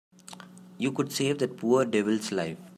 You could save that poor devil's life.